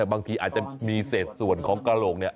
บางทีอาจจะมีเศษส่วนของกระโหลก